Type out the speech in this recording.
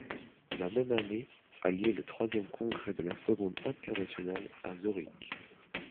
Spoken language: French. La même année a lieu le troisième Congrès de la Seconde internationale à Zurich.